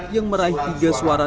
yang meraih tiga suara